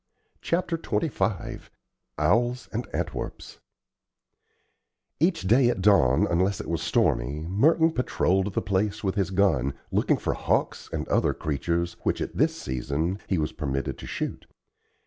CHAPTER XXV OWLS AND ANTWERPS Each day at dawn, unless it was stormy, Merton patrolled the place with his gun, looking for hawks and other creatures which at this season he was permitted to shoot.